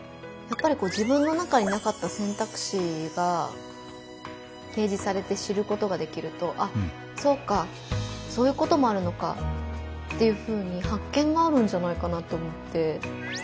やっぱり自分の中になかった選択肢が提示されて知ることができるとあっそうかそういうこともあるのかっていうふうに発見があるんじゃないかなと思って。